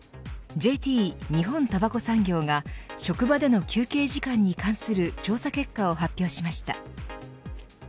ＪＴ、日本たばこ産業が職場での休憩時間に関する調査結果を発表しました。